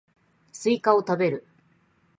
スイカを食べる